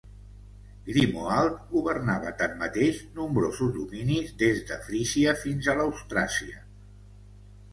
Grimoald governava tanmateix nombrosos dominis des de Frísia fins a l'Austràsia.